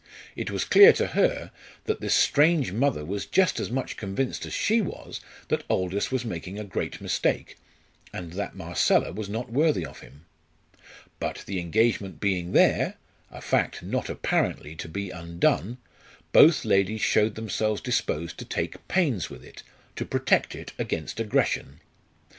It was clear to her that this strange mother was just as much convinced as she was that Aldous was making a great mistake, and that Marcella was not worthy of him. But the engagement being there a fact not apparently to be undone both ladies showed themselves disposed to take pains with it, to protect it against aggression. Mrs.